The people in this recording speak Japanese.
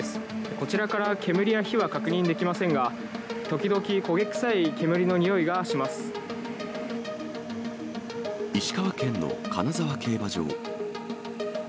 こちらから煙や火は確認できませんが、石川県の金沢競馬場。